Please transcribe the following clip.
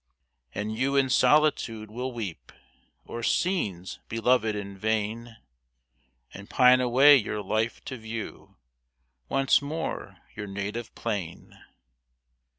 And you in solitude will weep O'er scenes beloved in vain, And pine away your life to view Once more your native plain.